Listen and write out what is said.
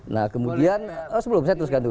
nah kemudian oh sebelum saya teruskan dulu